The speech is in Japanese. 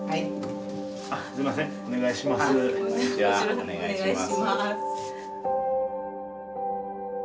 お願いします。